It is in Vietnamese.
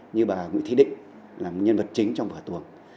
như bà nguyễn thị định là một nhân vật chính trong vở tuồng